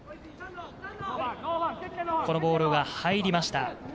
このボールが入りました。